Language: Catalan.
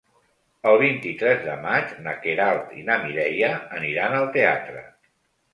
El vint-i-tres de maig na Queralt i na Mireia aniran al teatre.